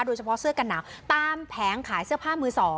โดยเฉพาะเสื้อกันหนาวตามแผงขายเสื้อผ้ามือ๒